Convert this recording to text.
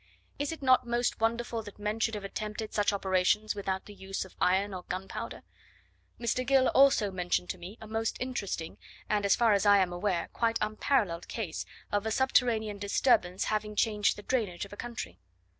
Is it not most wonderful that men should have attempted such operations, without the use of iron or gunpowder? Mr. Gill also mentioned to me a most interesting, and, as far as I am aware, quite unparalleled case, of a subterranean disturbance having changed the drainage of a country.